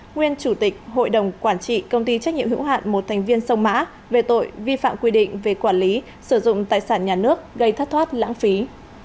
nguyên chủ tịch hội đồng quản trị công ty trách nhiệm hữu hạn một thành viên sông mã về tội vi phạm quy định về quản lý sử dụng tài sản nhà nước gây thất thoát lãng phí